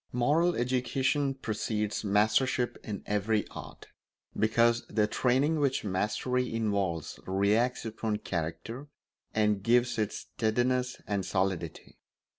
Moral education precedes mastership in every art, because the training which mastery involves reacts upon character and gives it steadiness and solidity.